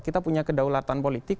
kita punya kedaulatan politik